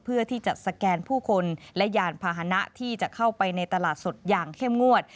เพื่อที่จะสแกนผู้คนและยานพาหนะที่จะเข้าไปในตลาดสดอย่างเข้มงวด